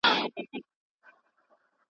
سره رڼا د سُرکو شونډو په کوټه کې